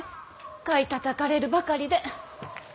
買いたたかれるばかりで。